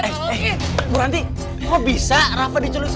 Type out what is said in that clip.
padahal jangan jauh disas c doing